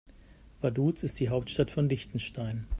Vaduz ist die Hauptstadt von Liechtenstein.